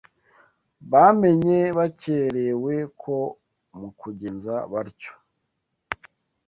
bamenye bakerewe ko mu kugenza batyo